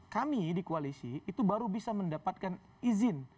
kami di koalisi itu baru bisa mendapatkan izin